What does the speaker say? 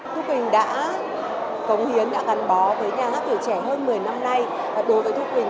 quốc quỳnh đã cống hiến đã gắn bó với nhà hát tuổi trẻ hơn một mươi năm nay đối với thu quỳnh